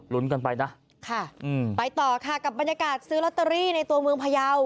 กันไปนะค่ะไปต่อค่ะกับบรรยากาศซื้อลอตเตอรี่ในตัวเมืองพยาว